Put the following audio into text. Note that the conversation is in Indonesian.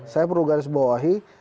saya perlu garis bawahi